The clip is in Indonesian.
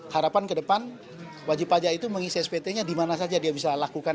harapan ke depan wajib pajak itu mengisi spt nya dimana saja dia bisa lakukan